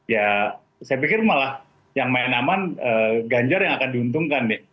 ya saya pikir malah yang main aman ganjar yang akan diuntungkan nih